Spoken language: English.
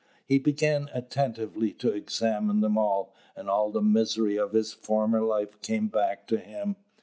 He began attentively to examine them all; and all the misery of his former life came back to him.